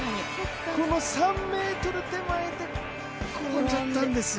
この３ｍ手前で転んじゃったんですよ。